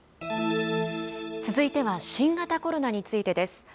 続いては、新型コロナについてです。